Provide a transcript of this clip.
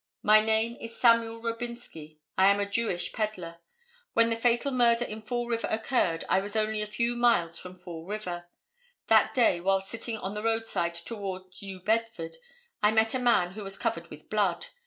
My name is Samuel Robinsky. I am a Jewish pedler. When the fatal murder in Fall River occurred I was only a few miles from Fall River. That day, while sitting on the roadside, towards New Bedford, I met a man who was covered with blood.